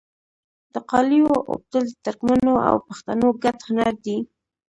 د قالیو اوبدل د ترکمنو او پښتنو ګډ هنر دی.